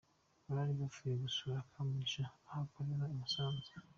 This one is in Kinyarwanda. Bari bavuye gusura Kamugisha aho akorera i Musanze.